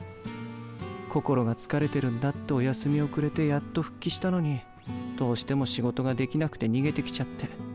心が疲れてるんだってお休みをくれてやっと復帰したのにどうしても仕事ができなくて逃げてきちゃって。